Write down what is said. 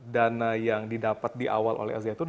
dana yang didapat di awal oleh al zaitun